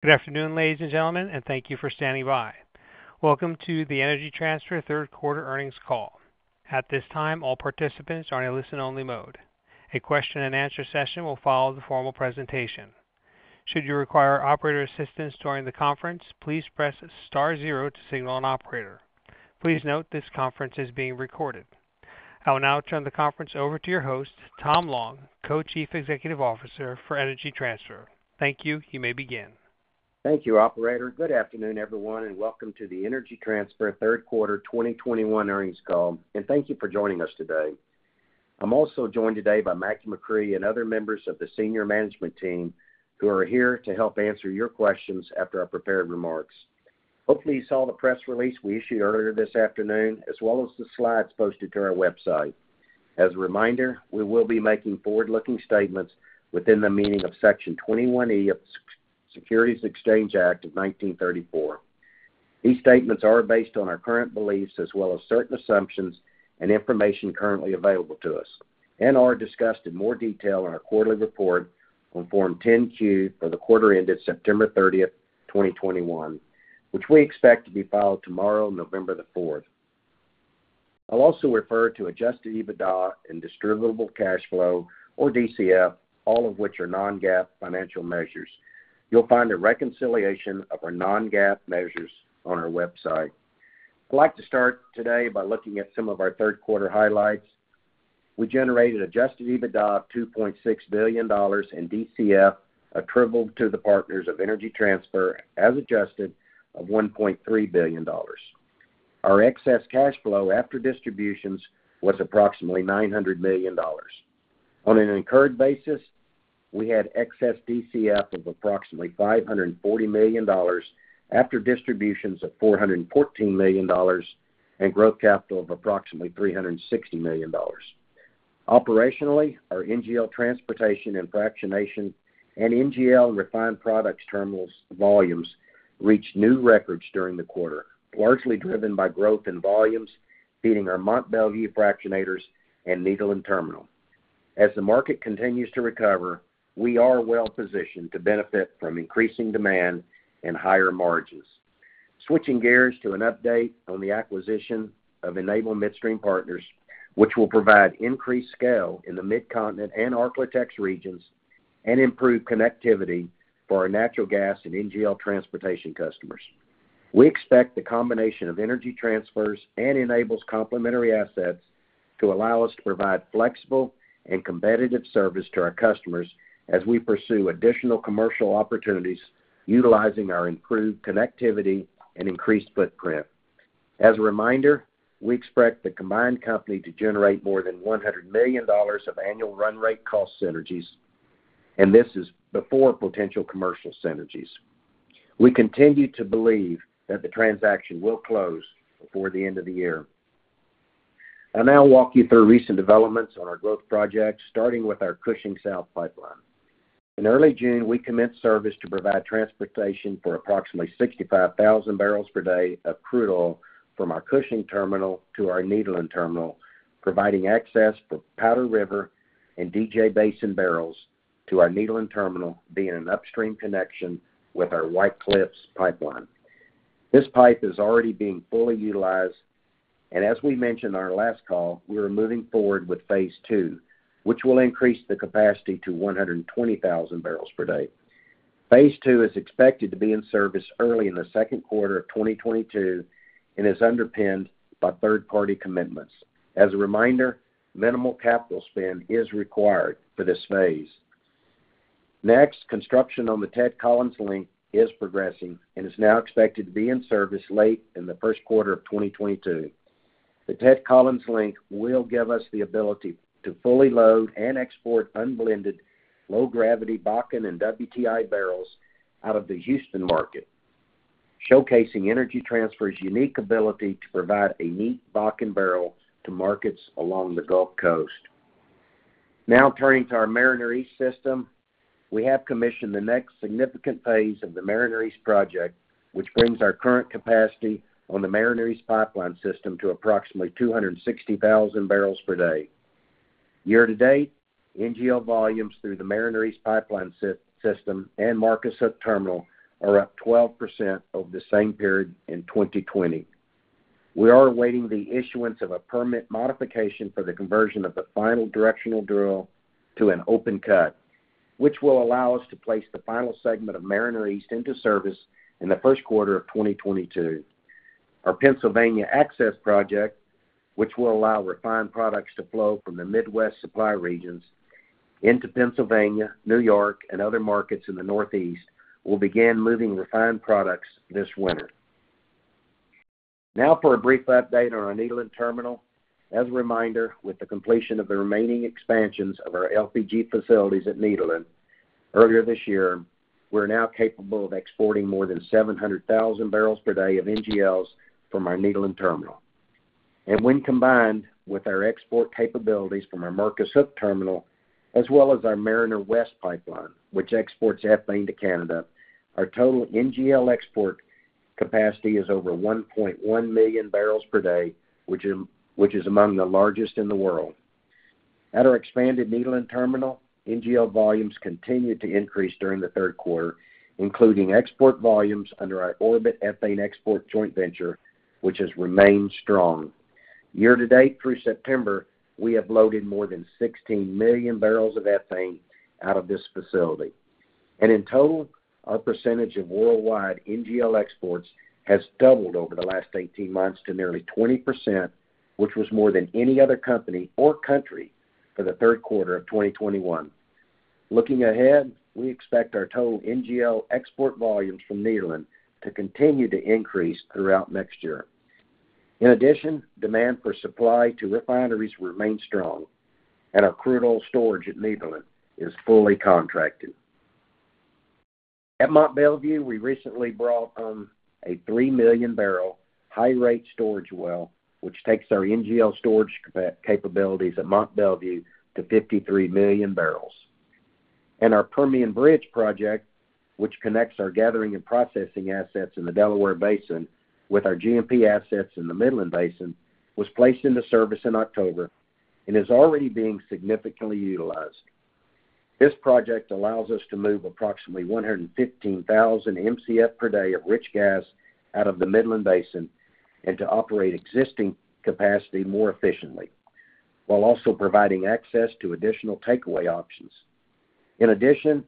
Good afternoon, ladies and gentlemen, and thank you for standing by. Welcome to the Energy Transfer Third Quarter Earnings Call. At this time, all participants are in a listen-only mode. A question-and-answer session will follow the formal presentation. Should you require operator assistance during the conference, please press star zero to signal an operator. Please note this conference is being recorded. I will now turn the conference over to your host, Tom Long, Co-Chief Executive Officer for Energy Transfer. Thank you. You may begin. Thank you, operator. Good afternoon, everyone, and welcome to the Energy Transfer Third Quarter 2021 Earnings Call. Thank you for joining us today. I'm also joined today by Mackie McCrea and other members of the senior management team who are here to help answer your questions after our prepared remarks. Hopefully, you saw the press release we issued earlier this afternoon, as well as the slides posted to our website. As a reminder, we will be making forward-looking statements within the meaning of Section 21E of the Securities Exchange Act of 1934. These statements are based on our current beliefs as well as certain assumptions and information currently available to us and are discussed in more detail in our quarterly report on Form 10-Q for the quarter ended September 30, 2021, which we expect to be filed tomorrow, November 4th. I'll also refer to adjusted EBITDA and distributable cash flow, or DCF, all of which are non-GAAP financial measures. You'll find a reconciliation of our non-GAAP measures on our website. I'd like to start today by looking at some of our third quarter highlights. We generated adjusted EBITDA of $2.6 billion and DCF attributable to the partners of Energy Transfer as adjusted of $1.3 billion. Our excess cash flow after distributions was approximately $900 million. On an incurred basis, we had excess DCF of approximately $540 million after distributions of $414 million and growth capital of approximately $360 million. Operationally, our NGL transportation and fractionation and NGL refined products terminals volumes reached new records during the quarter, largely driven by growth in volumes feeding our Mont Belvieu fractionators and Nederland Terminal. As the market continues to recover, we are well-positioned to benefit from increasing demand and higher margins. Switching gears to an update on the acquisition of Enable Midstream Partners, which will provide increased scale in the Mid-Continent and Ark-La-Tex regions and improve connectivity for our natural gas and NGL transportation customers. We expect the combination of Energy Transfer's and Enable's complementary assets to allow us to provide flexible and competitive service to our customers as we pursue additional commercial opportunities utilizing our improved connectivity and increased footprint. As a reminder, we expect the combined company to generate more than $100 million of annual run rate cost synergies, and this is before potential commercial synergies. We continue to believe that the transaction will close before the end of the year. I'll now walk you through recent developments on our growth projects, starting with our Cushing South Pipeline. In early June, we commenced service to provide transportation for approximately 65,000 barrels per day of crude oil from our Cushing terminal to our Nederland Terminal, providing access for Powder River and DJ Basin barrels to our Nederland Terminal via an upstream connection with our White Cliffs Pipeline. This pipe is already being fully utilized, and as we mentioned in our last call, we are moving forward with phase II, which will increase the capacity to 120,000 barrels per day. Phase II is expected to be in service early in the second quarter of 2022 and is underpinned by third-party commitments. As a reminder, minimal capital spend is required for this phase. Next, construction on the Ted Collins Link is progressing and is now expected to be in service late in the first quarter of 2022. The Ted Collins Link will give us the ability to fully load and export unblended low-gravity Bakken and WTI barrels out of the Houston market, showcasing Energy Transfer's unique ability to provide a unique Bakken barrel to markets along the Gulf Coast. Now turning to our Mariner East system. We have commissioned the next significant phase of the Mariner East project, which brings our current capacity on the Mariner East Pipeline System to approximately 260,000 barrels per day. Year-to-date, NGL volumes through the Mariner East Pipeline System and Marcus Hook Terminal are up 12% over the same period in 2020. We are awaiting the issuance of a permit modification for the conversion of the final directional drill to an open cut, which will allow us to place the final segment of Mariner East into service in the first quarter of 2022. Our Pennsylvania Access Project, which will allow refined products to flow from the Midwest supply regions into Pennsylvania, New York, and other markets in the Northeast, will begin moving refined products this winter. Now for a brief update on our Nederland Terminal. As a reminder, with the completion of the remaining expansions of our LPG facilities at Nederland earlier this year, we're now capable of exporting more than 700,000 barrels per day of NGLs from our Nederland Terminal. When combined with our export capabilities from our Marcus Hook terminal, as well as our Mariner West pipeline, which exports ethane to Canada, our total NGL export capacity is over 1.1 million barrels per day, which is among the largest in the world. At our expanded Nederland Terminal, NGL volumes continued to increase during the third quarter, including export volumes under our Orbit Ethane Export Joint Venture, which has remained strong. Year to date through September, we have loaded more than 16 million barrels of ethane out of this facility. In total, our percentage of worldwide NGL exports has doubled over the last 18 months to nearly 20%, which was more than any other company or country for the third quarter of 2021. Looking ahead, we expect our total NGL export volumes from Nederland to continue to increase throughout next year. In addition, demand for supply to refineries remains strong, and our crude oil storage at Nederland is fully contracted. At Mont Belvieu, we recently brought on a 3 million-barrel high-rate storage well, which takes our NGL storage capabilities at Mont Belvieu to 53 million barrels. Our Permian Bridge Project, which connects our gathering and processing assets in the Delaware Basin with our G&P assets in the Midland Basin, was placed into service in October and is already being significantly utilized. This project allows us to move approximately 115,000 Mcf per day of rich gas out of the Midland Basin and to operate existing capacity more efficiently, while also providing access to additional takeaway options. In addition,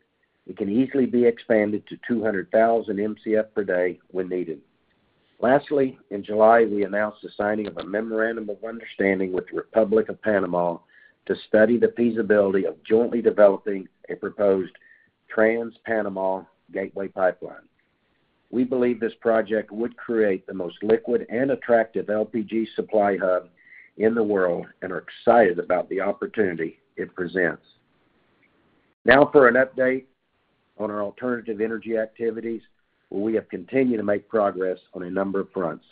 it can easily be expanded to 200,000 Mcf per day when needed. Lastly, in July, we announced the signing of a memorandum of understanding with the Republic of Panama to study the feasibility of jointly developing a proposed Trans-Panama Gateway Pipeline. We believe this project would create the most liquid and attractive LPG supply hub in the world and are excited about the opportunity it presents. Now for an update on our alternative energy activities, where we have continued to make progress on a number of fronts.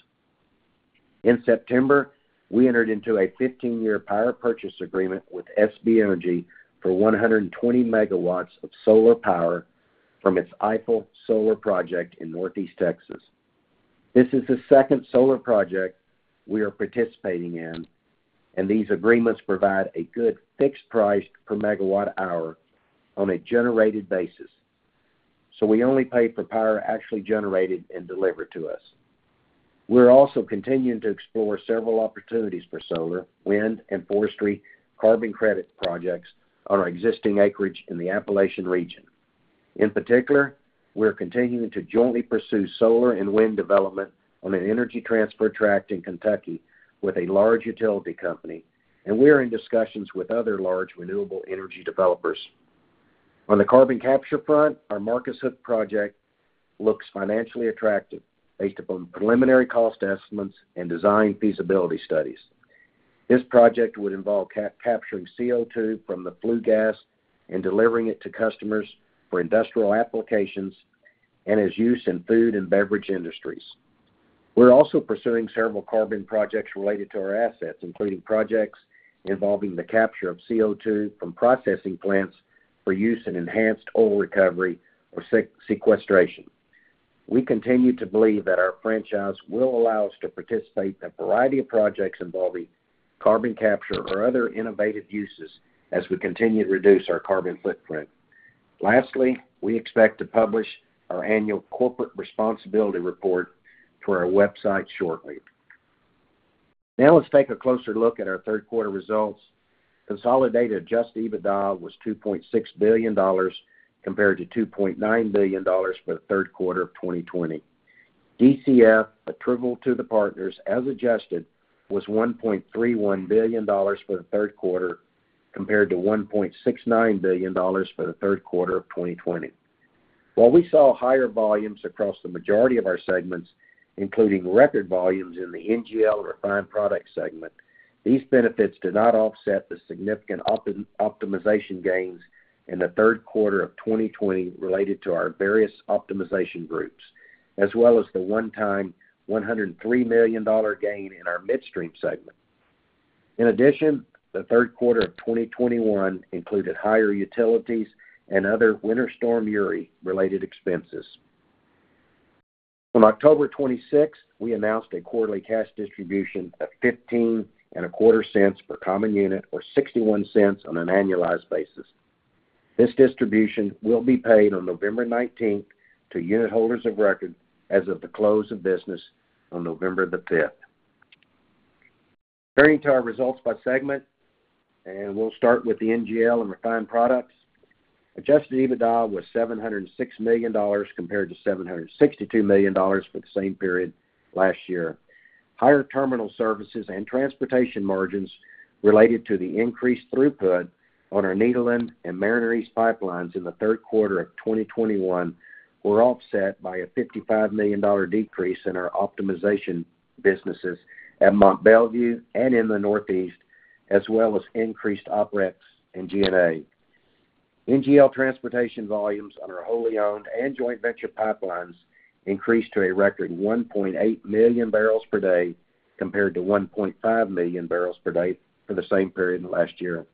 In September, we entered into a 15-year power purchase agreement with SB Energy for 120 MW of solar power from its Eiffel Solar Project in northeast Texas. This is the second solar project we are participating in, and these agreements provide a good fixed price per MWh on a generated basis. We only pay for power actually generated and delivered to us. We're also continuing to explore several opportunities for solar, wind, and forestry carbon credit projects on our existing acreage in the Appalachian region. In particular, we're continuing to jointly pursue solar and wind development on an Energy Transfer tract in Kentucky with a large utility company, and we are in discussions with other large renewable energy developers. On the carbon capture front, our Marcus Hook project looks financially attractive based upon preliminary cost estimates and design feasibility studies. This project would involve capturing CO2 from the flue gas and delivering it to customers for industrial applications and is used in food and beverage industries. We're also pursuing several carbon projects related to our assets, including projects involving the capture of CO2 from processing plants for use in enhanced oil recovery or sequestration. We continue to believe that our franchise will allow us to participate in a variety of projects involving carbon capture or other innovative uses as we continue to reduce our carbon footprint. Lastly, we expect to publish our annual corporate responsibility report to our website shortly. Now let's take a closer look at our third quarter results. Consolidated adjusted EBITDA was $2.6 billion compared to $2.9 billion for the third quarter of 2020. DCF attributable to the partners as adjusted was $1.31 billion for the third quarter compared to $1.69 billion for the third quarter of 2020. While we saw higher volumes across the majority of our segments, including record volumes in the NGL and refined products segment, these benefits did not offset the significant optimization gains in the third quarter of 2020 related to our various optimization groups, as well as the one-time $103 million gain in our midstream segment. In addition, the third quarter of 2021 included higher utilities and other Winter Storm Uri related expenses. On October 26th, we announced a quarterly cash distribution of $0.1525 per common unit, or $0.61 on an annualized basis. This distribution will be paid on November 19th to unit holders of record as of the close of business on November 5. Turning to our results by segment, we'll start with the NGL and refined products. Adjusted EBITDA was $706 million compared to $762 million for the same period last year. Higher terminal services and transportation margins related to the increased throughput on our Nederland and Mariner East pipelines in the third quarter of 2021 were offset by a $55 million decrease in our optimization businesses at Mont Belvieu and in the Northeast, as well as increased OpEx and G&A. NGL transportation volumes on our wholly owned and joint venture pipelines increased to a record 1.8 million barrels per day compared to 1.5 million barrels per day for the same period last year.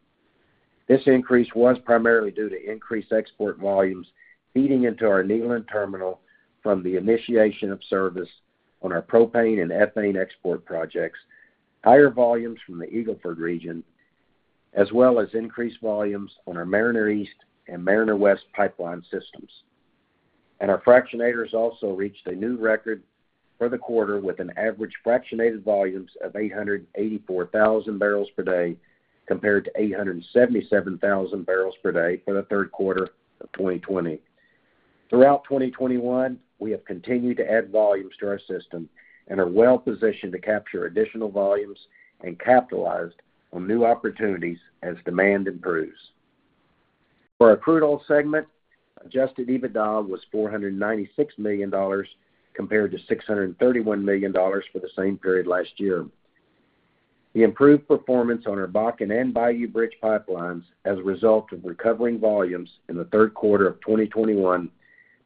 This increase was primarily due to increased export volumes feeding into our Nederland Terminal from the initiation of service on our propane and ethane export projects, higher volumes from the Eagle Ford region, as well as increased volumes on our Mariner East and Mariner West pipeline systems. Our fractionators also reached a new record for the quarter, with an average fractionated volumes of 884,000 barrels per day compared to 877,000 barrels per day for the third quarter of 2020. Throughout 2021, we have continued to add volumes to our system and are well positioned to capture additional volumes and capitalized on new opportunities as demand improves. For our Crude Oil segment, adjusted EBITDA was $496 million compared to $631 million for the same period last year. The improved performance on our Bakken and Bayou Bridge pipelines as a result of recovering volumes in the third quarter of 2021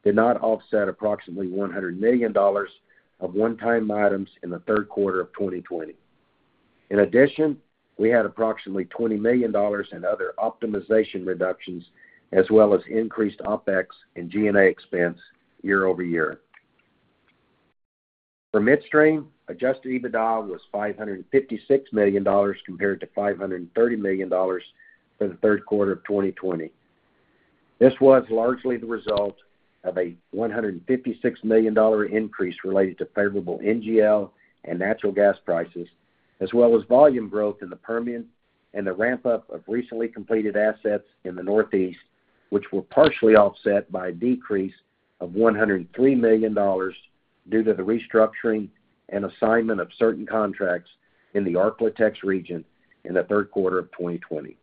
did not offset approximately $100 million of one-time items in the third quarter of 2020. In addition, we had approximately $20 million in other optimization reductions as well as increased OpEx and G&A expense year-over-year. For Midstream, adjusted EBITDA was $556 million compared to $530 million for the third quarter of 2020. This was largely the result of a $156 million increase related to favorable NGL and natural gas prices, as well as volume growth in the Permian and the ramp-up of recently completed assets in the Northeast, which were partially offset by a decrease of $103 million due to the restructuring and assignment of certain contracts in the Ark-La-Tex region in the third quarter of 2020.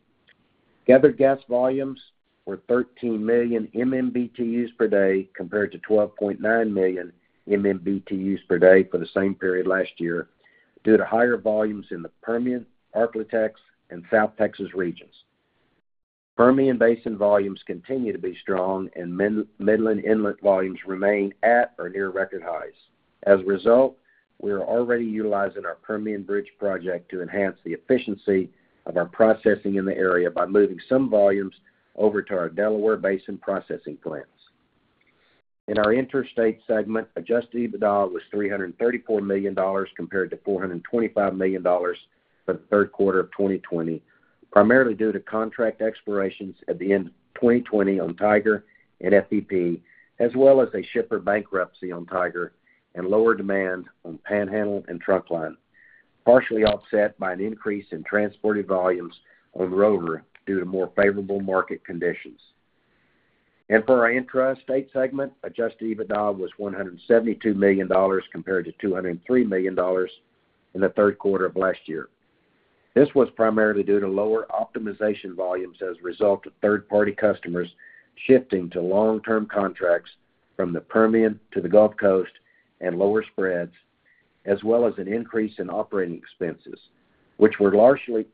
Gathered gas volumes were 13 million MMBtu per day compared to 12.9 million MMBtu per day for the same period last year due to higher volumes in the Permian, Ark-La-Tex, and South Texas regions. Permian Basin volumes continue to be strong and Midland inlet volumes remain at or near record highs. As a result, we are already utilizing our Permian Bridge Project to enhance the efficiency of our processing in the area by moving some volumes over to our Delaware Basin processing plants. In our Interstate segment, adjusted EBITDA was $334 million compared to $425 million for the third quarter of 2020, primarily due to contract expirations at the end of 2020 on Tiger and FEP, as well as a shipper bankruptcy on Tiger and lower demand on Panhandle and Trunkline, partially offset by an increase in transported volumes on Rover due to more favorable market conditions. For our Intrastate segment, adjusted EBITDA was $172 million compared to $203 million in the third quarter of last year. This was primarily due to lower optimization volumes as a result of third-party customers shifting to long-term contracts from the Permian to the Gulf Coast and lower spreads, as well as an increase in operating expenses, which were largely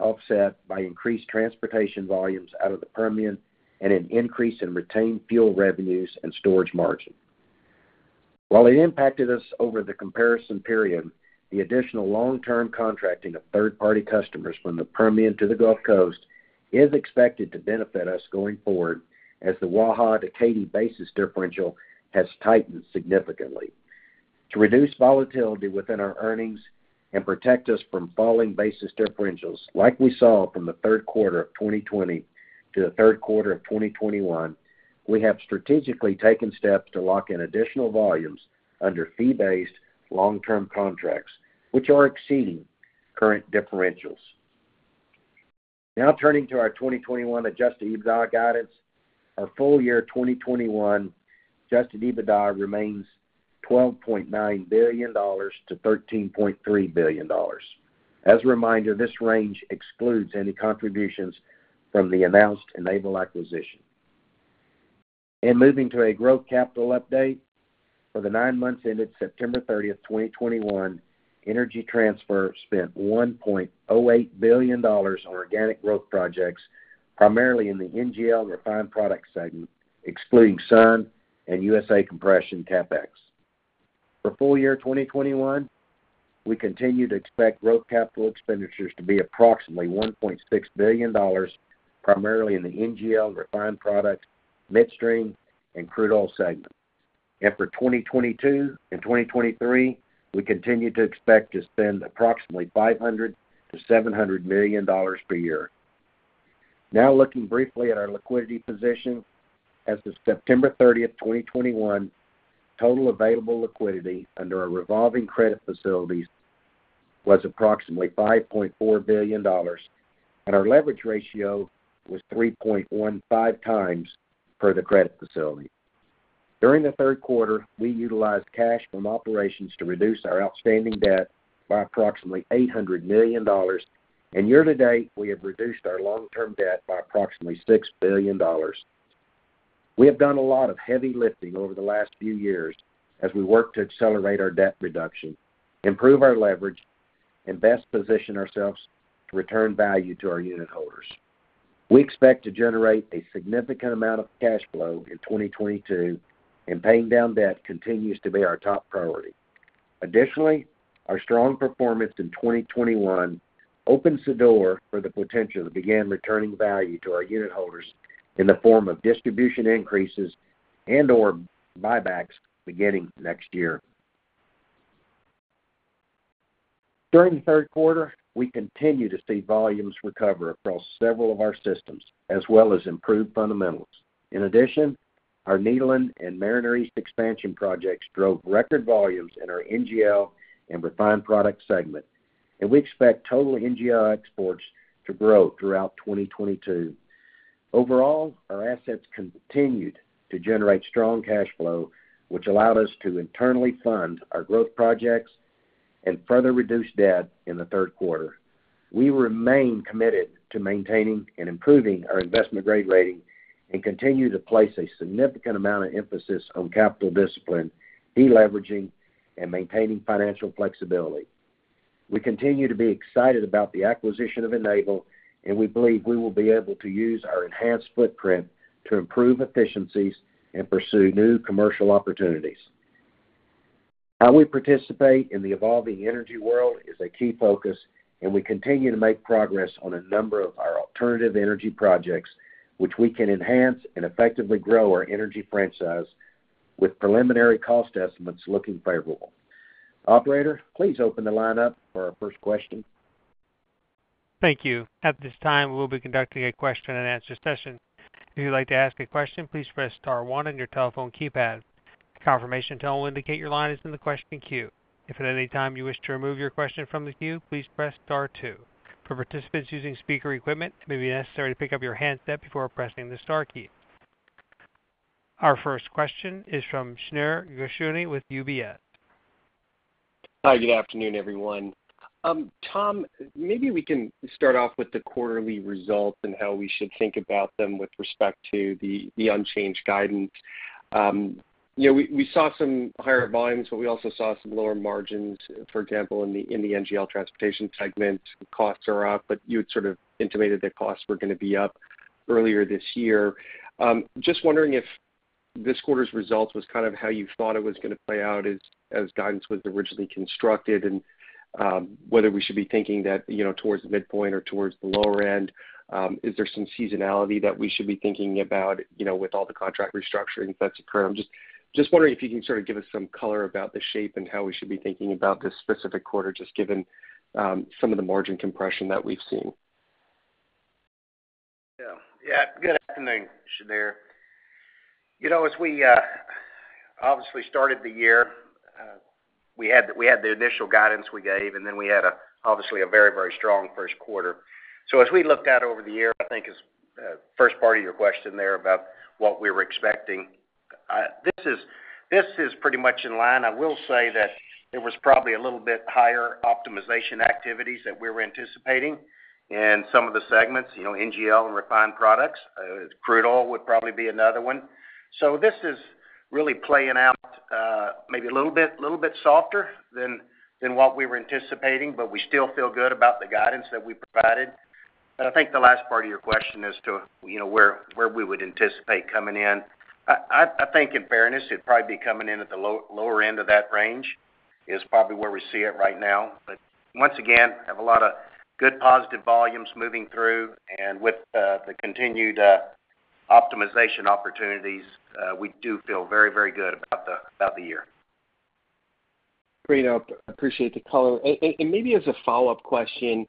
offset by increased transportation volumes out of the Permian and an increase in retained fuel revenues and storage margin. While it impacted us over the comparison period, the additional long-term contracting of third-party customers from the Permian to the Gulf Coast is expected to benefit us going forward as the Waha to Katy basis differential has tightened significantly. To reduce volatility within our earnings and protect us from falling basis differentials like we saw from the third quarter of 2020 to the third quarter of 2021, we have strategically taken steps to lock in additional volumes under fee-based long-term contracts, which are exceeding current differentials. Now turning to our 2021 adjusted EBITDA guidance. Our full-year 2021 adjusted EBITDA remains $12.9 billion-$13.3 billion. As a reminder, this range excludes any contributions from the announced Enable acquisition. Moving to a growth capital update. For the nine months ended September 30, 2021, Energy Transfer spent $1.08 billion on organic growth projects, primarily in the NGL refined products segment, excluding Sun and USA Compression CapEx. For full-year 2021, we continue to expect growth capital expenditures to be approximately $1.6 billion, primarily in the NGL refined products, Midstream, and Crude Oil segments. For 2022 and 2023, we continue to expect to spend approximately $500 million-$700 million per year. Now looking briefly at our liquidity position. As of September 30, 2021, total available liquidity under our revolving credit facilities was approximately $5.4 billion, and our leverage ratio was 3.15x per the credit facility. During the third quarter, we utilized cash from operations to reduce our outstanding debt by approximately $800 million. Year to date, we have reduced our long-term debt by approximately $6 billion. We have done a lot of heavy lifting over the last few years as we work to accelerate our debt reduction, improve our leverage, and best position ourselves to return value to our unit holders. We expect to generate a significant amount of cash flow in 2022, and paying down debt continues to be our top priority. Additionally, our strong performance in 2021 opens the door for the potential to begin returning value to our unit holders in the form of distribution increases and or buybacks beginning next year. During the third quarter, we continued to see volumes recover across several of our systems, as well as improved fundamentals. In addition, our Nederland and Mariner East expansion projects drove record volumes in our NGL and refined products segment, and we expect total NGL exports to grow throughout 2022. Overall, our assets continued to generate strong cash flow, which allowed us to internally fund our growth projects and further reduce debt in the third quarter. We remain committed to maintaining and improving our investment-grade rating and continue to place a significant amount of emphasis on capital discipline, deleveraging, and maintaining financial flexibility. We continue to be excited about the acquisition of Enable, and we believe we will be able to use our enhanced footprint to improve efficiencies and pursue new commercial opportunities. How we participate in the evolving energy world is a key focus, and we continue to make progress on a number of our alternative energy projects, which we can enhance and effectively grow our energy franchise with preliminary cost estimates looking favorable. Operator, please open the line up for our first question. Thank you. At this time, we will be conducting a question-and-answer session. If you'd like to ask a question, please press star one on your telephone keypad. A confirmation tone will indicate your line is in the questioning queue. If at any time you wish to remove your question from the queue, please press star two. For participants using speaker equipment, it may be necessary to pick up your handset before pressing the star key. Our first question is from Shneur Gershuni with UBS. Hi, good afternoon, everyone. Tom, maybe we can start off with the quarterly results and how we should think about them with respect to the unchanged guidance. You know, we saw some higher volumes, but we also saw some lower margins. For example, in the NGL transportation segment, costs are up, but you had sort of intimated that costs were gonna be up earlier this year. Just wondering if this quarter's results was kind of how you thought it was gonna play out as guidance was originally constructed, and whether we should be thinking that, you know, towards the midpoint or towards the lower end. Is there some seasonality that we should be thinking about, you know, with all the contract restructuring that's occurred? Just wondering if you can sort of give us some color about the shape and how we should be thinking about this specific quarter, just given some of the margin compression that we've seen. Yeah. Yeah. Good afternoon, Shneur. You know, as we obviously started the year, we had the initial guidance we gave, and then we had obviously a very, very strong first quarter. As we looked out over the year, I think is first part of your question there about what we were expecting. This is pretty much in line. I will say that it was probably a little bit higher optimization activities that we were anticipating in some of the segments, you know, NGL and refined products. Crude oil would probably be another one. This is really playing out, maybe a little bit softer than what we were anticipating, but we still feel good about the guidance that we provided. I think the last part of your question as to, you know, where we would anticipate coming in. I think in fairness, it'd probably be coming in at the lower end of that range is probably where we see it right now. Once again, we have a lot of good positive volumes moving through, and with the continued optimization opportunities, we do feel very, very good about the year. Great. I appreciate the color. Maybe as a follow-up question,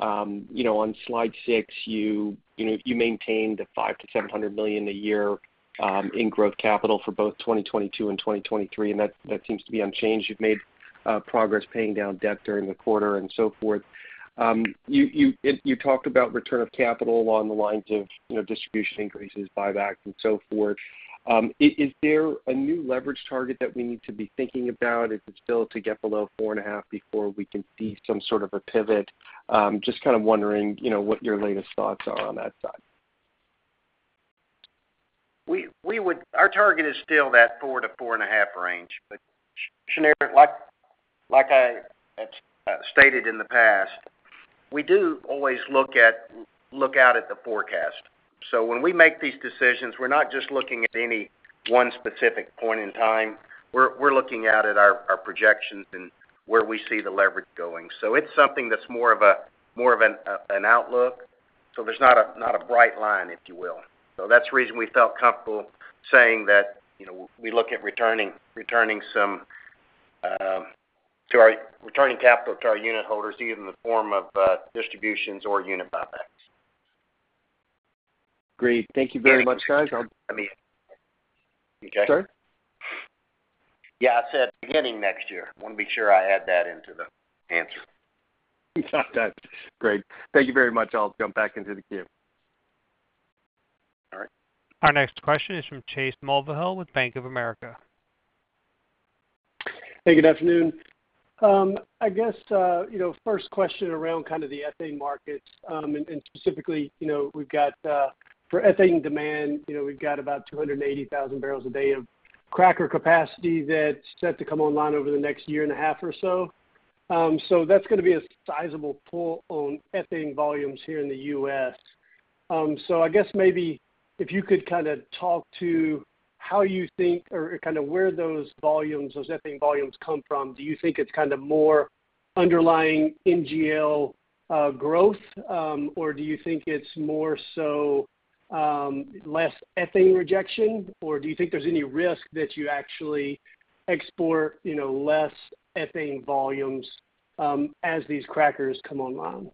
on slide six, you maintain the $500 million-$700 million a year in growth capital for both 2022 and 2023, and that seems to be unchanged. You've made progress paying down debt during the quarter and so forth. You talked about return of capital along the lines of, you know, distribution increases, buybacks and so forth. Is there a new leverage target that we need to be thinking about? Is it still to get below 4.5 before we can see some sort of a pivot? Just kind of wondering, you know, what your latest thoughts are on that side. Our target is still that 4-4.5 range. Shneur, like I stated in the past, we do always look out at the forecast. When we make these decisions, we're not just looking at any one specific point in time. We're looking out at our projections and where we see the leverage going. It's something that's more of an outlook. There's not a bright line, if you will. That's the reason we felt comfortable saying that, you know, we look at returning capital to our unit holders, either in the form of distributions or unit buybacks. Great. Thank you very much, guys. Okay. Sir? Yeah, I said beginning next year. Wanna be sure I add that into the answer. That's great. Thank you very much. I'll jump back into the queue. All right. Our next question is from Chase Mulvehill with Bank of America. Hey, good afternoon. I guess you know, first question around kind of the ethane markets, and specifically, you know, we've got for ethane demand, you know, we've got about 280,000 barrels a day of cracker capacity that's set to come online over the next year and a half or so. So that's gonna be a sizable pull on ethane volumes here in the U.S. I guess maybe if you could kind of talk to how you think or kind of where those volumes, those ethane volumes come from. Do you think it's kind of more underlying NGL growth, or do you think it's more so less ethane rejection? Or do you think there's any risk that you actually export less ethane volumes as these crackers come online?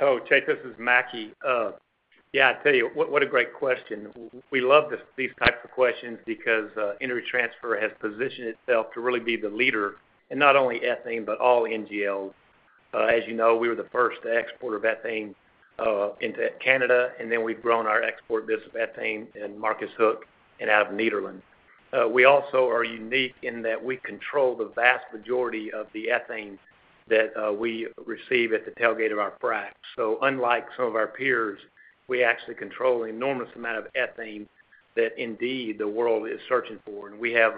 Hello, Chase, this is Mackie. I tell you what a great question. We love these types of questions because Energy Transfer has positioned itself to really be the leader in not only ethane, but all NGLs. As you know, we were the first exporter of ethane into Canada, and then we've grown our export business of ethane in Marcus Hook and out of Nederland. We also are unique in that we control the vast majority of the ethane that we receive at the tailgate of our fracs. Unlike some of our peers, we actually control an enormous amount of ethane that indeed the world is searching for. We have,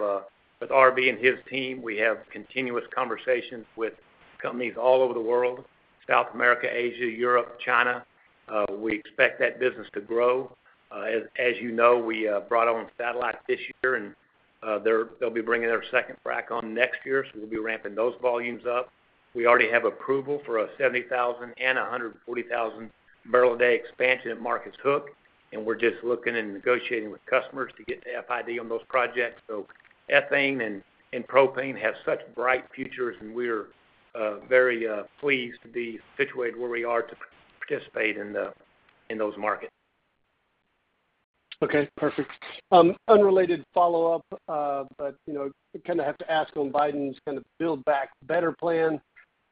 with RB and his team, continuous conversations with companies all over the world, South America, Asia, Europe, China. We expect that business to grow. As you know, we brought on Satellite this year, and they'll be bringing their second frac on next year, so we'll be ramping those volumes up. We already have approval for a 70,000 and a 140,000 barrel a day expansion at Marcus Hook, and we're just looking and negotiating with customers to get FID on those projects. Ethane and propane have such bright futures, and we're very pleased to be situated where we are to participate in those markets. Okay, perfect. Unrelated follow-up, but, you know, I kinda have to ask on Biden's kind of Build Back Better plan.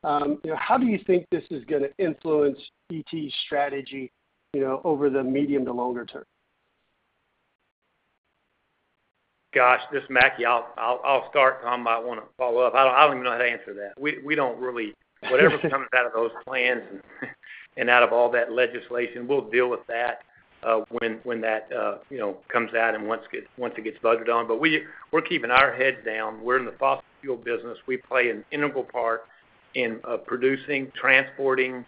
You know, how do you think this is gonna influence ET's strategy, you know, over the medium to longer term? Gosh, this is Mackie. I'll start. Tom might wanna follow up. I don't even know how to answer that. Whatever's coming out of those plans and out of all that legislation, we'll deal with that when that you know comes out and once it gets budgeted on. We're keeping our heads down. We're in the fossil fuel business. We play an integral part in producing, transporting,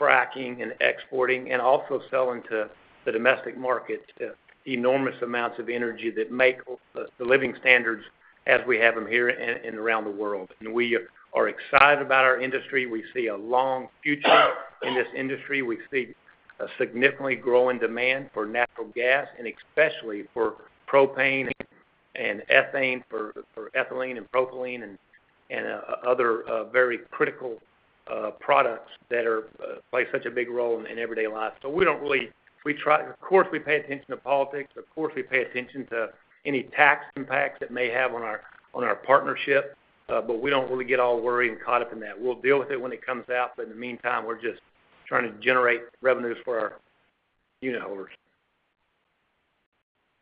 fracking, and exporting, and also selling to the domestic market enormous amounts of energy that make the living standards as we have them here and around the world. We are excited about our industry. We see a long future in this industry. We see a significantly growing demand for natural gas and especially for propane and ethane for ethylene and propylene and other very critical products that play such a big role in everyday life. Of course, we pay attention to politics. Of course, we pay attention to any tax impacts it may have on our partnership. We don't really get all worried and caught up in that. We'll deal with it when it comes out, but in the meantime, we're just trying to generate revenues for our unitholders.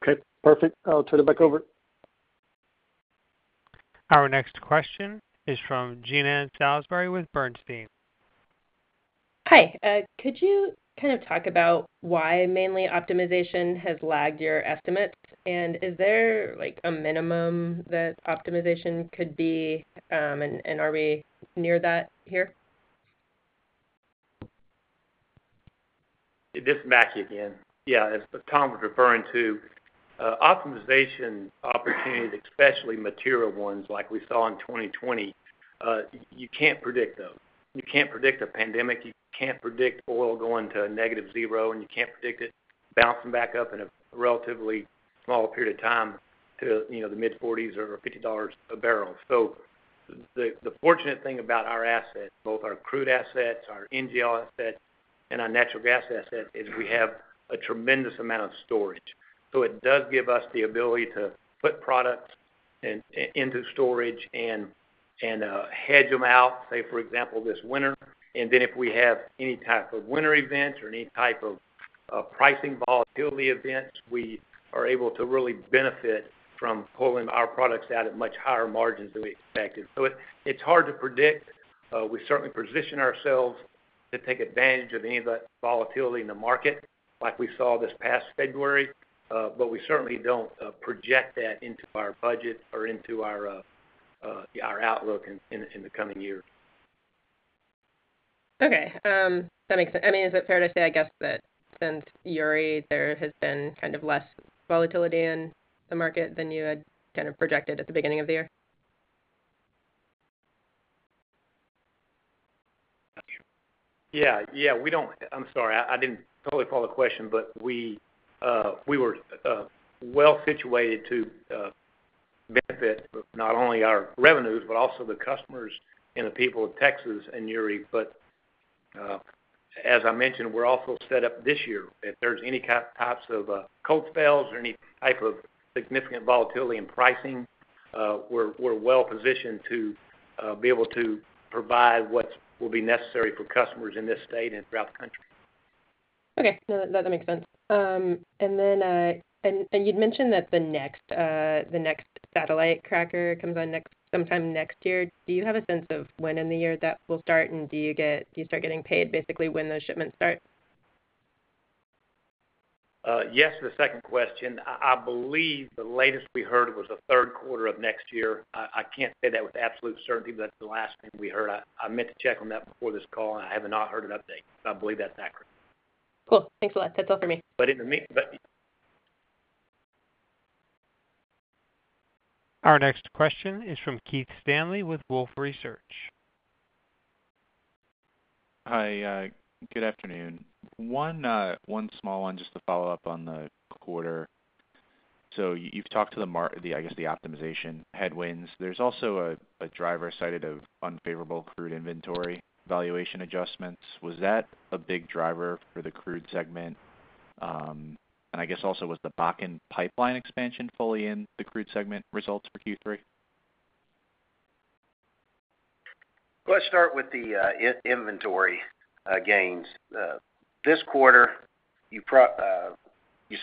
Okay, perfect. I'll turn it back over. Our next question is from Jean Ann Salisbury with Bernstein. Hi. Could you kind of talk about why mainly optimization has lagged your estimates? Is there, like, a minimum that optimization could be, and are we near that here? This is Mackie again. Yeah, as Tom was referring to, optimization opportunities, especially material ones like we saw in 2020, you can't predict those. You can't predict a pandemic, you can't predict oil going to negative zero, and you can't predict it bouncing back up in a relatively small period of time to, you know, the mid-$40s or $50 a barrel. The fortunate thing about our assets, both our crude assets, our NGL assets, and our natural gas assets, is we have a tremendous amount of storage. It does give us the ability to put products into storage and hedge them out, say, for example, this winter. If we have any type of winter events or any type of pricing volatility events, we are able to really benefit from pulling our products out at much higher margins than we expected. It's hard to predict. We certainly position ourselves to take advantage of any of that volatility in the market, like we saw this past February, but we certainly don't project that into our budget or into our outlook in the coming years. Okay. That makes sense. I mean, is it fair to say, I guess, that since Uri, there has been kind of less volatility in the market than you had kind of projected at the beginning of the year? Yeah. Yeah, I'm sorry. I didn't totally follow the question, but we were well situated to benefit with not only our revenues, but also the customers and the people of Texas during Uri. As I mentioned, we're also set up this year. If there's any kinds of cold spells or any type of significant volatility in pricing, we're well positioned to be able to provide what will be necessary for customers in this state and throughout the country. Okay. No, that makes sense. And then you'd mentioned that the next Satellite cracker comes on sometime next year. Do you have a sense of when in the year that will start? Do you start getting paid basically when those shipments start? Yes to the second question. I believe the latest we heard was the third quarter of next year. I can't say that with absolute certainty, but that's the last thing we heard. I meant to check on that before this call, and I have not heard an update, but I believe that's accurate. Cool. Thanks a lot. That's all for me. But in the me-- But... Our next question is from Keith Stanley with Wolfe Research. Hi, good afternoon. One small one just to follow up on the quarter. You've talked to the, I guess, the optimization headwinds. There's also a driver cited of unfavorable crude inventory valuation adjustments. Was that a big driver for the crude segment? I guess also, was the Bakken Pipeline expansion fully in the crude segment results for Q3? Let's start with the inventory gains. This quarter, you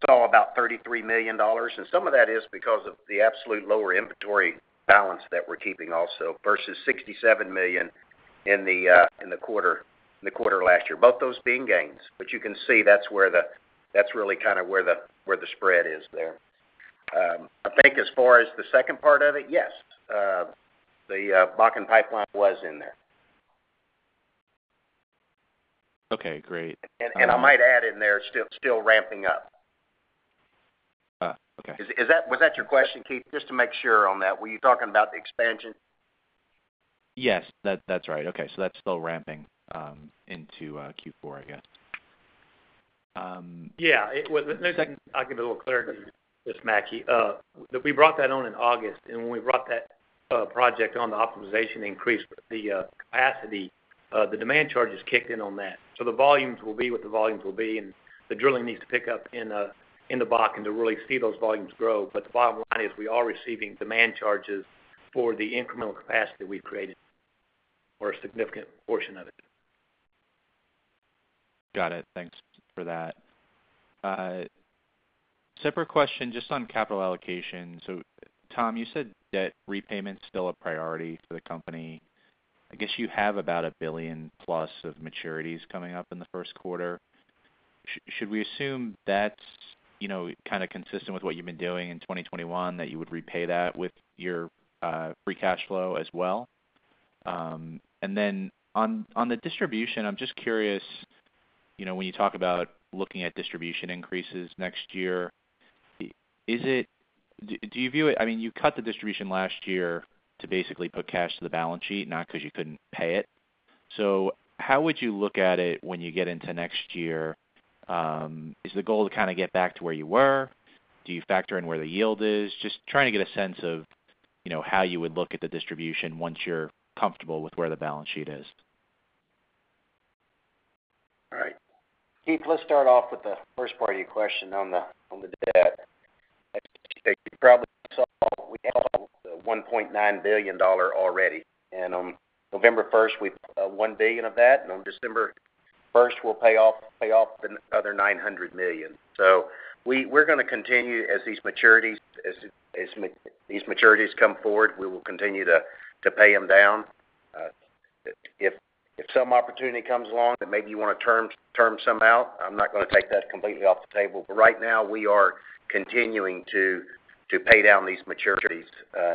saw about $33 million, and some of that is because of the absolute lower inventory balance that we're keeping also versus $67 million in the quarter last year, both those being gains. You can see that's really kind of where the spread is there. I think as far as the second part of it, yes, the Bakken Pipeline was in there. Okay, great. I might add in there, it's still ramping up. Okay. Was that your question, Keith? Just to make sure on that, were you talking about the expansion? Yes. That's right. Okay. That's still ramping into Q4, I guess. Yeah. I'll give a little clarity to this, Mackie. We brought that on in August, and when we brought that project on the optimization increase with the capacity, the demand charges kicked in on that. The volumes will be what the volumes will be, and the drilling needs to pick up in the Bakken to really see those volumes grow. The bottom line is we are receiving demand charges for the incremental capacity we've created or a significant portion of it. Got it. Thanks for that. Separate question just on capital allocation. So Tom, you said debt repayment is still a priority for the company. I guess you have about $1 billion+ of maturities coming up in the first quarter. Should we assume that's, you know, kind of consistent with what you've been doing in 2021, that you would repay that with your free cash flow as well? On the distribution, I'm just curious, you know, when you talk about looking at distribution increases next year, is it? Do you view it? I mean, you cut the distribution last year to basically put cash to the balance sheet, not 'cause you couldn't pay it. How would you look at it when you get into next year? Is the goal to kind of get back to where you were? Do you factor in where the yield is? Just trying to get a sense of, you know, how you would look at the distribution once you're comfortable with where the balance sheet is. All right. Keith, let's start off with the first part of your question on the debt. As you stated, you probably saw we paid the $1.9 billion already. On November first, we paid $1 billion of that, and on December first, we'll pay off the other $900 million. We're gonna continue as these maturities come forward, we will continue to pay them down. If some opportunity comes along that maybe you wanna term some out, I'm not gonna take that completely off the table. Right now, we are continuing to pay down these maturities,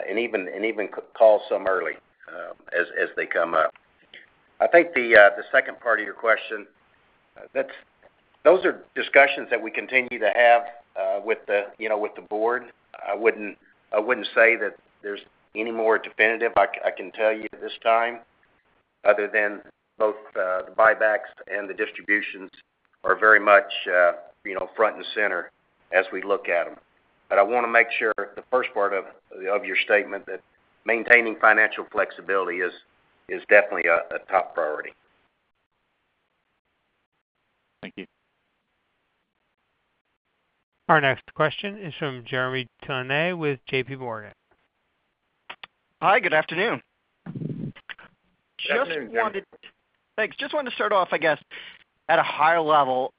and even call some early, as they come up. I think the second part of your question, that's. Those are discussions that we continue to have, you know, with the board. I wouldn't say that there's any more definitive. I can tell you at this time other than both the buybacks and the distributions are very much, you know, front and center as we look at them. But I wanna make sure the first part of your statement that maintaining financial flexibility is definitely a top priority. Thank you. Our next question is from Jeremy Tonet with J.P. Morgan. Hi, good afternoon. Good afternoon, Jeremy. Thanks. Just wanted to start off, I guess, at a higher level,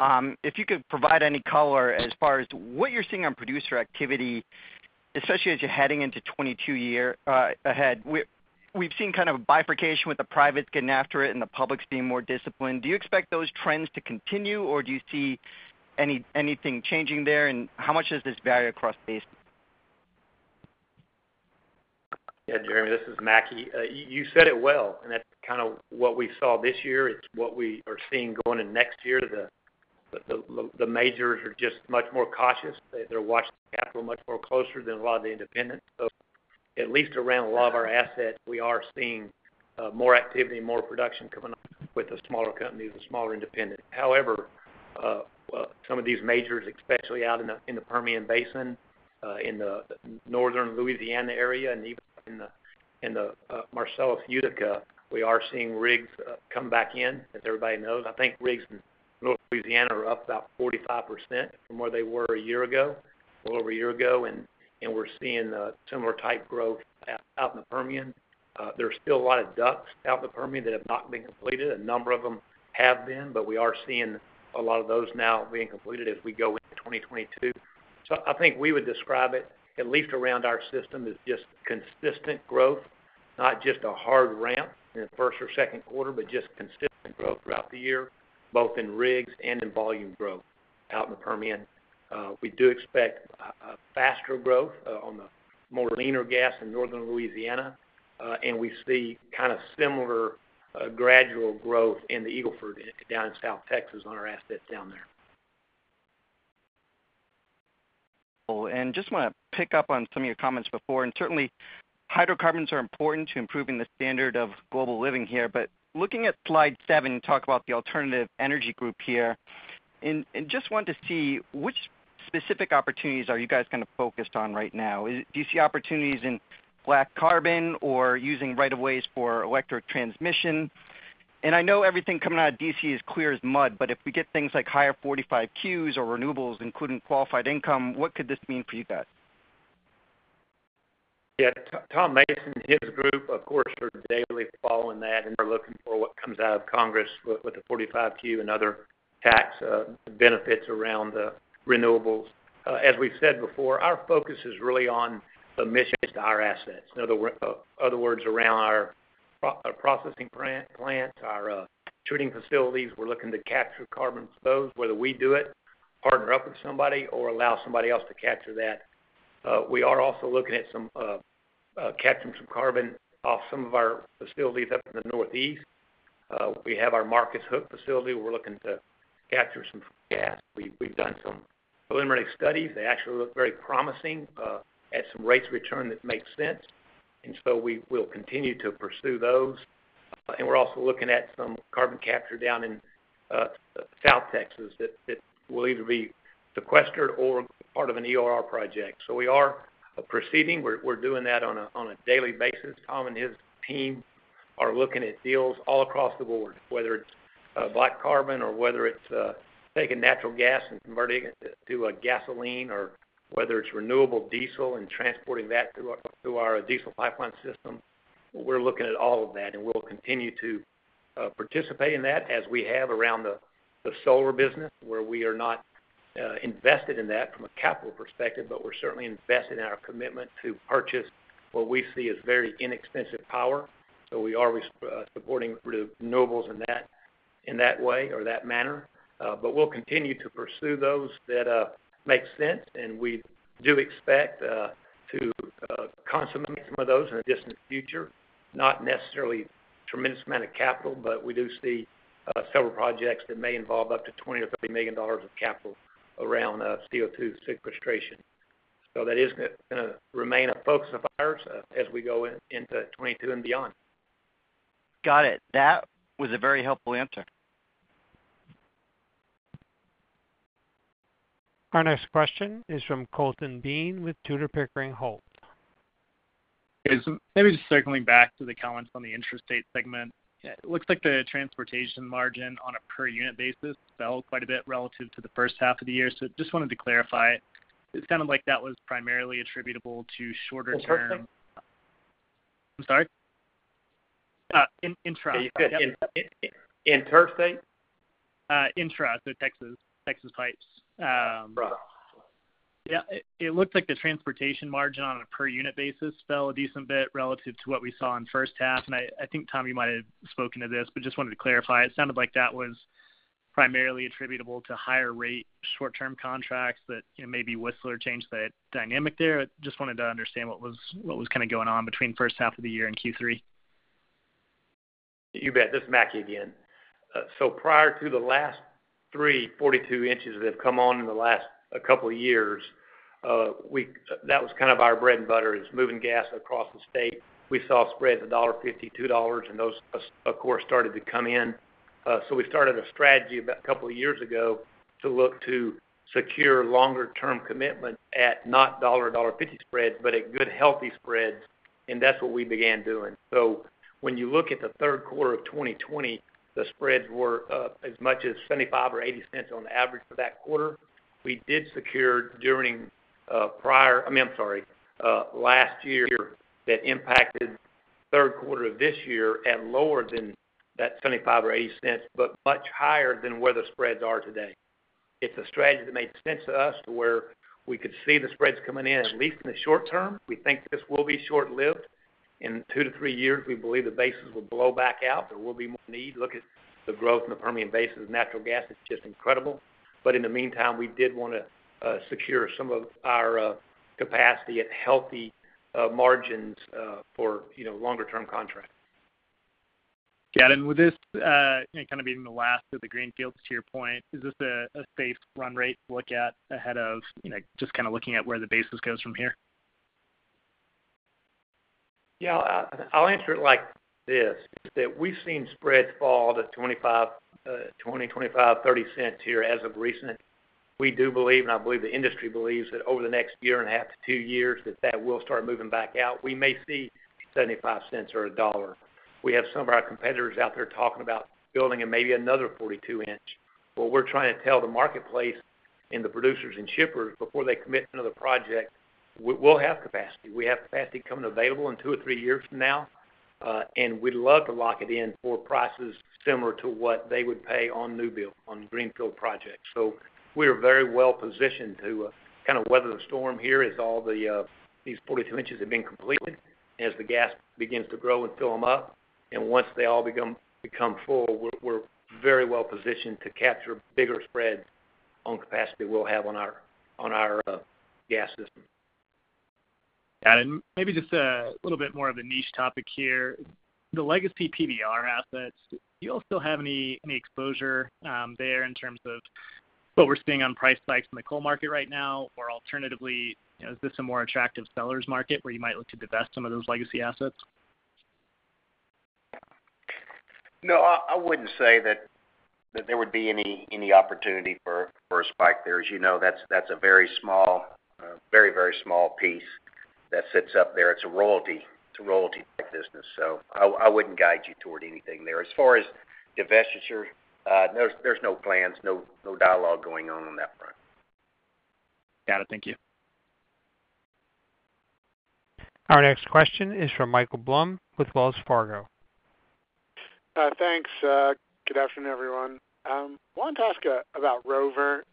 if you could provide any color as far as what you're seeing on producer activity, especially as you're heading into 2022 year ahead. We've seen kind of a bifurcation with the privates getting after it and the publics being more disciplined. Do you expect those trends to continue, or do you see anything changing there, and how much does this vary across the basin? Yeah, Jeremy, this is Mackie. You said it well, and that's kind of what we saw this year. It's what we are seeing going in next year. The majors are just much more cautious. They're watching capital much more closer than a lot of the independents. At least around a lot of our assets, we are seeing more activity and more production coming up with the smaller companies and smaller independents. However, some of these majors, especially out in the Permian Basin, in the Northern Louisiana area and even in the Marcellus/Utica, we are seeing rigs come back in, as everybody knows. I think rigs in North Louisiana are up about 45% from where they were one year ago, a little over one year ago, and we're seeing a similar type growth out in the Permian. There's still a lot of DUCs out in the Permian that have not been completed. A number of them have been, but we are seeing a lot of those now being completed as we go into 2022. I think we would describe it, at least around our system, as just consistent growth, not just a hard ramp in the first or second quarter, but just consistent growth throughout the year, both in rigs and in volume growth out in the Permian. We do expect a faster growth on the more leaner gas in Northern Louisiana. We see kind of similar gradual growth in the Eagle Ford down in South Texas on our assets down there. Cool. Just wanna pick up on some of your comments before. Certainly, hydrocarbons are important to improving the standard of global living here. Looking at slide seven, you talked about the alternative energy group here. Just wanted to see which specific opportunities are you guys kind of focused on right now? Do you see opportunities in black carbon or using rights of way for electric transmission? I know everything coming out of D.C. is clear as mud, but if we get things like higher 45Qs or renewables including qualified income, what could this mean for you guys? Yeah. Tom Mason, his group, of course, are daily following that and are looking for what comes out of Congress with the 45Q and other tax benefits around the renewables. As we've said before, our focus is really on emissions to our assets. In other words, around our processing plant, our treating facilities, we're looking to capture carbon from those, whether we do it, partner up with somebody, or allow somebody else to capture that. We are also looking at some capturing some carbon off some of our facilities up in the Northeast. We have our Marcus Hook facility, we're looking to capture some gas. We've done some preliminary studies. They actually look very promising at some rates of return that make sense. We will continue to pursue those. We're also looking at some carbon capture down in South Texas that will either be sequestered or part of an EOR project. We are proceeding. We're doing that on a daily basis. Tom and his team are looking at deals all across the board, whether it's black carbon or whether it's taking natural gas and converting it to a gasoline, or whether it's renewable diesel and transporting that through our diesel pipeline system. We're looking at all of that, and we'll continue to participate in that as we have around the solar business, where we are not invested in that from a capital perspective, but we're certainly invested in our commitment to purchase what we see as very inexpensive power. We are supporting renewables in that way or that manner. We'll continue to pursue those that make sense, and we do expect to consummate some of those in the distant future. Not necessarily tremendous amount of capital, but we do see several projects that may involve up to $20 million-$30 million of capital around CO2 sequestration. That is gonna remain a focus of ours as we go into 2022 and beyond. Got it. That was a very helpful answer. Our next question is from Colton Bean with Tudor, Pickering, Holt & Co. Okay. Maybe just circling back to the comments on the intrastate segment. It looks like the transportation margin on a per unit basis fell quite a bit relative to the first half of the year. Just wanted to clarify. It sounded like that was primarily attributable to shorter-term Interstate? I'm sorry? Intra. Yep. Yeah, you could. Interstate? Texas pipes. Right. Yeah. It looks like the transportation margin on a per unit basis fell a decent bit relative to what we saw in first half. I think, Tom, you might have spoken to this, but just wanted to clarify. It sounded like that was primarily attributable to higher rate short-term contracts that, you know, maybe Whistler changed the dynamic there. Just wanted to understand what was kind of going on between first half of the year and Q3. You bet. This is Mackie again. Prior to the last three 42-inch that have come on in the last couple of years, that was kind of our bread and butter, is moving gas across the state. We saw spreads of $1.50-$2, and those of course started to come in. We started a strategy about a couple of years ago to look to secure longer-term commitment at not $1 or $1.50 spreads, but at good, healthy spreads, and that's what we began doing. When you look at the third quarter of 2020, the spreads were as much as $0.75 or $0.80 on average for that quarter. We did secure during prior... I mean, I'm sorry, last year, that impacted third quarter of this year at lower than that $0.75 or $0.80, but much higher than where the spreads are today. It's a strategy that made sense to us to where we could see the spreads coming in, at least in the short term. We think this will be short-lived. In two to three years, we believe the basis will blow back out. There will be more need. Look at the growth in the Permian basis of natural gas, it's just incredible. But in the meantime, we did want to secure some of our capacity at healthy margins for, you know, longer term contracts. Got it. Would this, you know, kind of being the last of the greenfields to your point, is this a safe run rate to look at ahead of, you know, just kind of looking at where the basis goes from here? Yeah. I'll answer it like this, that we've seen spreads fall to $0.25-$0.30 here as of recent. We do believe, and I believe the industry believes, that over the next year and a half to two years, that will start moving back out. We may see $0.75 or $1. We have some of our competitors out there talking about building maybe another 42-inch. What we're trying to tell the marketplace and the producers and shippers before they commit to another project, we'll have capacity. We have capacity coming available in two or three years from now. We'd love to lock it in for prices similar to what they would pay on new build on greenfield projects. We're very well positioned to kind of weather the storm here as all the these 42 inches have been completed, as the gas begins to grow and fill them up. Once they all become full, we're very well positioned to capture bigger spreads on capacity we'll have on our gas system. Got it. Maybe just a little bit more of a niche topic here. The legacy PBR assets, do you all still have any exposure there in terms of what we're seeing on price spikes in the coal market right now? Or alternatively, you know, is this a more attractive seller's market where you might look to divest some of those legacy assets? No, I wouldn't say that there would be any opportunity for a spike there. As you know, that's a very small piece that sits up there. It's a royalty business, so I wouldn't guide you toward anything there. As far as divestiture, there's no plans, no dialogue going on that front. Got it. Thank you. Our next question is from Michael Blum with Wells Fargo. Thanks. Good afternoon, everyone. Wanted to ask about Rover.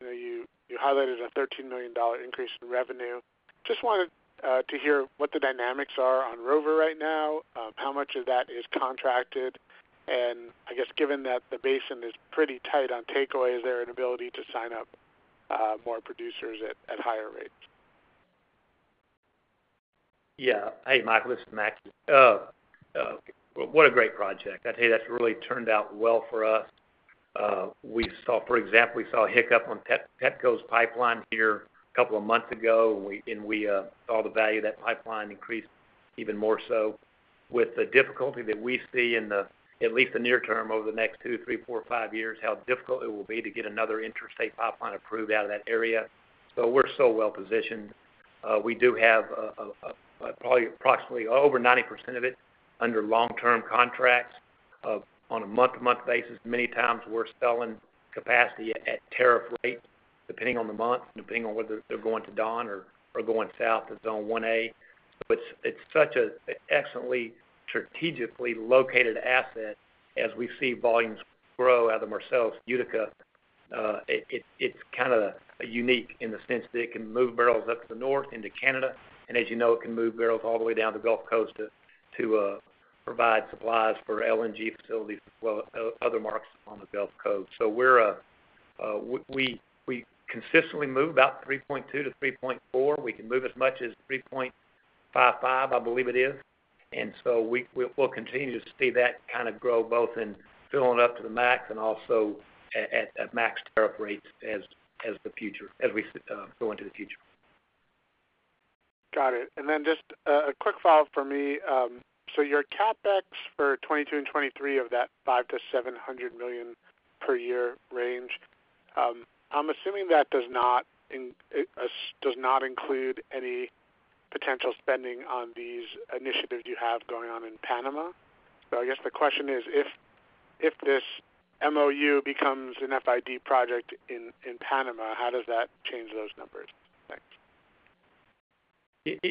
You know, you highlighted a $13 million increase in revenue. Just wanted to hear what the dynamics are on Rover right now, how much of that is contracted. I guess given that the basin is pretty tight on takeaway, is there an ability to sign up more producers at higher rates? Yeah. Hey, Michael, this is Mackie. What a great project. I'd say that's really turned out well for us. We saw, for example, a hiccup on PEMEX pipeline here a couple of months ago, and saw the value of that pipeline increase even more so with the difficulty that we see, at least the near term, over the next two, three, four, five years, how difficult it will be to get another interstate pipeline approved out of that area. We're so well positioned. We do have probably approximately over 90% of it under long-term contracts. On a month-to-month basis, many times we're selling capacity at tariff rate, depending on the month, depending on whether they're going to Dawn or going south to Zone One A. It's such an excellently strategically located asset as we see volumes grow out of Marcellus/Utica. It's kind of unique in the sense that it can move barrels up to the north into Canada. As you know, it can move barrels all the way down the Gulf Coast to provide supplies for LNG facilities as well as other markets on the Gulf Coast. We're consistently move about 3.2-3.4. We can move as much as 3.55, I believe it is. We'll continue to see that kind of grow both in filling up to the max and also at max tariff rates as we go into the future. Got it. Just a quick follow-up for me. Your CapEx for 2022 and 2023 of that $500 million-$700 million per year range, I'm assuming that does not include any potential spending on these initiatives you have going on in Panama. I guess the question is, if this MOU becomes an FID project in Panama, how does that change those numbers? Thanks.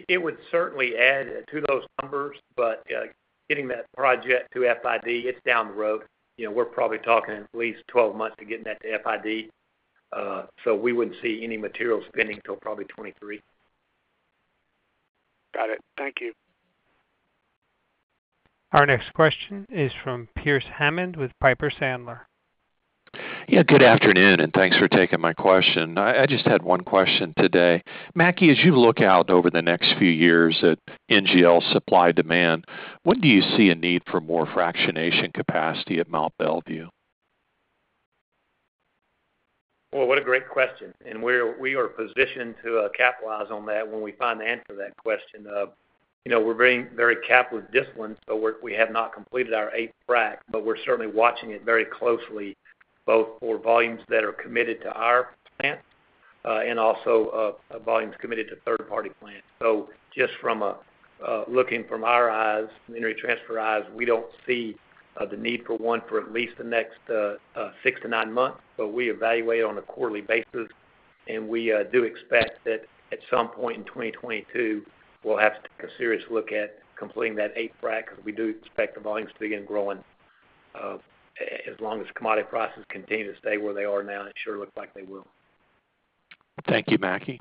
It would certainly add to those numbers, but getting that project to FID, it's down the road. You know, we're probably talking at least 12 months to getting that to FID. So we wouldn't see any material spending till probably 2023. Got it. Thank you. Our next question is from Pearce Hammond with Piper Sandler. Yeah, good afternoon, and thanks for taking my question. I just had one question today. Mackie, as you look out over the next few years at NGL supply demand, when do you see a need for more fractionation capacity at Mont Belvieu? Well, what a great question. We are positioned to capitalize on that when we find the answer to that question. You know, we're being very capital disciplined, so we have not completed our eighth frac, but we're certainly watching it very closely, both for volumes that are committed to our plant and also volumes committed to third-party plants. Just from looking from our eyes, from Energy Transfer eyes, we don't see the need for one for at least the next six to nine months. We evaluate on a quarterly basis, and we do expect that at some point in 2022, we'll have to take a serious look at completing that eighth frac because we do expect the volumes to begin growing, as long as commodity prices continue to stay where they are now, and it sure looks like they will. Thank you, Mackie.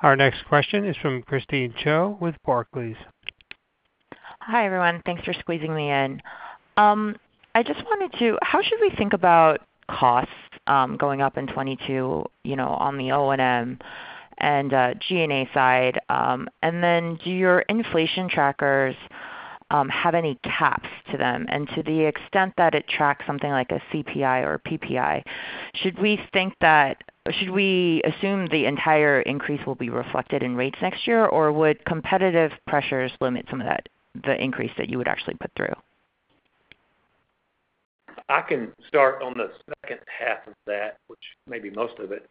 Our next question is from Christine Cho with Barclays. Hi, everyone. Thanks for squeezing me in. How should we think about costs going up in 2022, you know, on the O&M and G&A side? Do your inflation trackers have any caps to them? To the extent that it tracks something like a CPI or PPI, should we assume the entire increase will be reflected in rates next year, or would competitive pressures limit some of that, the increase that you would actually put through? I can start on the second half of that, which may be most of it.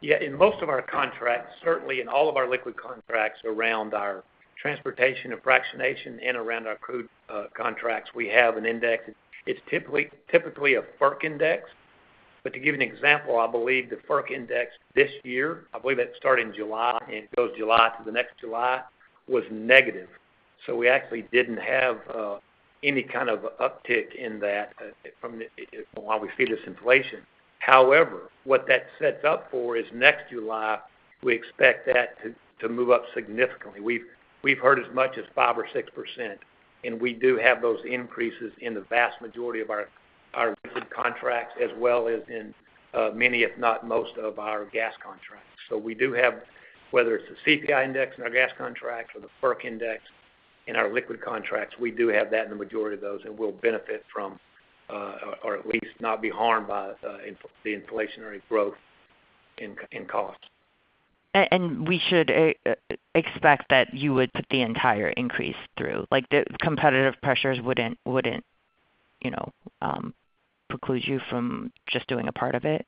Yeah, in most of our contracts, certainly in all of our liquid contracts around our transportation and fractionation and around our crude contracts, we have an index. It's typically a FERC index. But to give you an example, I believe the FERC index this year started in July and it goes July to the next July, was negative. We actually didn't have any kind of uptick in that from the while we see this inflation. However, what that sets up for is next July. We expect that to move up significantly. We've heard as much as 5%-6%, and we do have those increases in the vast majority of our liquid contracts, as well as in many, if not most, of our gas contracts. We do have, whether it's the CPI index in our gas contracts or the FERC index in our liquid contracts, we do have that in the majority of those and will benefit from, or at least not be harmed by the inflationary growth in costs. We should expect that you would put the entire increase through? Like, the competitive pressures wouldn't, you know, preclude you from just doing a part of it?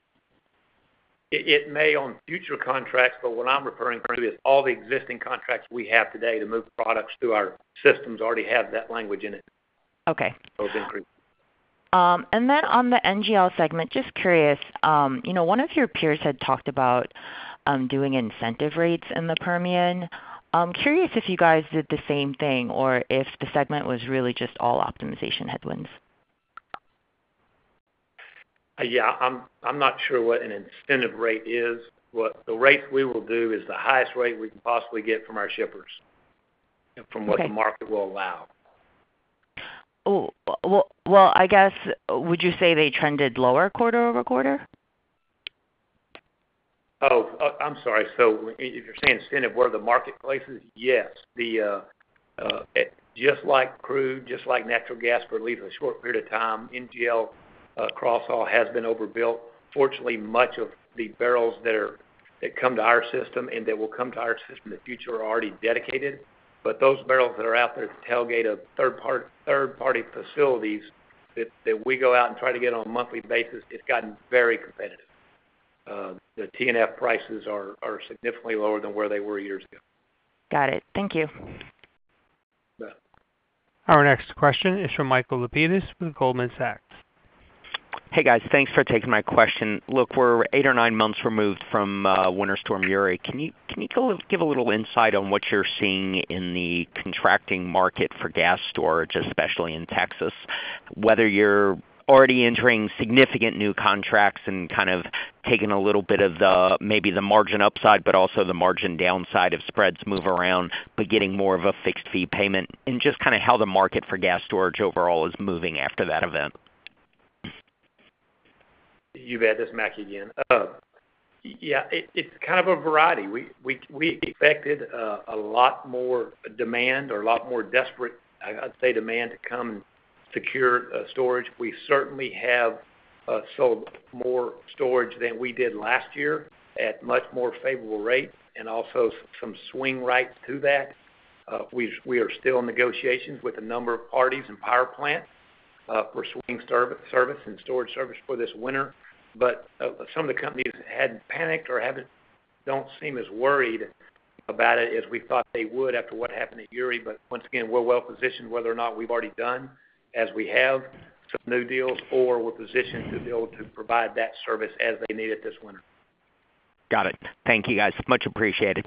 It may on future contracts, but what I'm referring to is all the existing contracts we have today to move products through our systems already have that language in it. Okay. Those increases. On the NGL segment, just curious, you know, one of your peers had talked about doing incentive rates in the Permian. I'm curious if you guys did the same thing or if the segment was really just all optimization headwinds. Yeah, I'm not sure what an incentive rate is. The rate we will do is the highest rate we can possibly get from our shippers. Okay. from what the market will allow. Well, I guess, would you say they trended lower quarter-over-quarter? I'm sorry. If you're saying incentive, where the marketplace is, yes. Just like crude, just like natural gas for at least a short period of time, NGL crosshaul has been overbuilt. Fortunately, much of the barrels that come to our system and that will come to our system in the future are already dedicated. Those barrels that are out there at the tailgate of third-party facilities that we go out and try to get on a monthly basis, it's gotten very competitive. The T&F prices are significantly lower than where they were years ago. Got it. Thank you. You bet. Our next question is from Michael Lapides with Goldman Sachs. Hey, guys. Thanks for taking my question. Look, we're eight or nine months removed from Winter Storm Uri. Can you give a little insight on what you're seeing in the contracting market for gas storage, especially in Texas? Whether you're already entering significant new contracts and kind of taking a little bit of the, maybe the margin upside, but also the margin downside if spreads move around, but getting more of a fixed fee payment, and just kind of how the market for gas storage overall is moving after that event? You bet. This is Mack again. Yeah, it's kind of a variety. We expected a lot more demand or a lot more desperate, I'd say, demand to come and secure storage. We certainly have sold more storage than we did last year at much more favorable rates and also some swing rights through that. We are still in negotiations with a number of parties and power plants for swing service and storage service for this winter. Some of the companies hadn't panicked or don't seem as worried about it as we thought they would after what happened at Uri. Once again, we're well positioned, whether or not we've already done, as we have, some new deals, or we're positioned to be able to provide that service as they need it this winter. Got it. Thank you, guys. Much appreciated.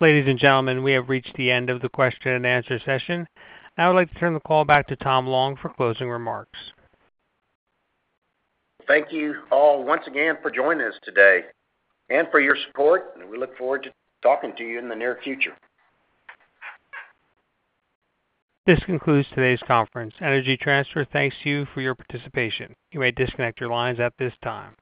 Ladies and gentlemen, we have reached the end of the question-and-answer session. I would like to turn the call back to Tom Long for closing remarks. Thank you all once again for joining us today and for your support, and we look forward to talking to you in the near future. This concludes today's conference. Energy Transfer thanks you for your participation. You may disconnect your lines at this time.